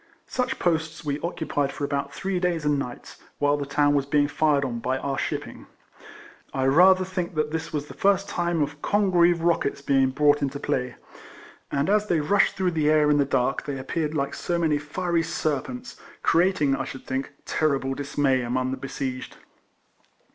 Such posts we occupied for about three days and nights, whilst the town was being fired on by our shipping. I rather think this was the first time of Congreve rockets being brought into play, and as they rushed through the air in the dark, they appeared like so many fiery serpents, creating, I should think, ter rible dismay among the besieged.